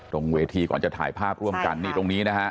ตรงเวทีก่อนจะถ่ายภาพร่วมกันนี่ตรงนี้นะฮะ